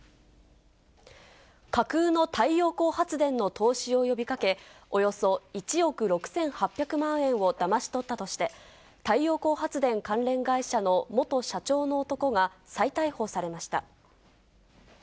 架空の太陽光発電の投資を呼びかけ、およそ１億６８００万円をだまし取ったとして、太陽光発電関連会社の元社長の男が再逮捕されました。